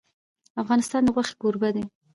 افغانستان د غوښې کوربه دی.